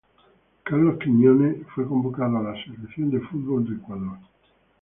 Carlos Quiñonez fue convocado a la Selección de fútbol de Ecuador.